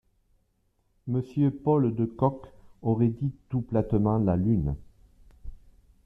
Monsieur Paul de Kock aurait dit tout platement la lune …